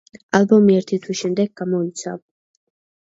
ალბომი ერთი თვის შემდეგ გამოიცა.